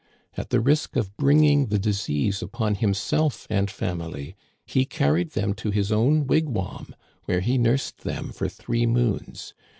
At the risk of bringing the disease upon himself and family, he carried them to his own wigwam, where he nursed them for three moons.